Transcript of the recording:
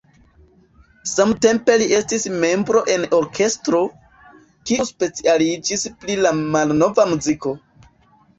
Samtempe li estis membro en orkestro, kiu specialiĝis pri la malnova muziko.